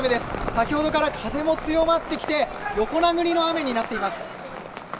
先ほどから風も強まってきて横殴りの雨になっています。